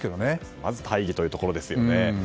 まず大義というところですよね。